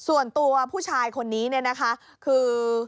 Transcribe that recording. ส่วนตัวผู้ชายคนนี้เนี่ยนะคะคือ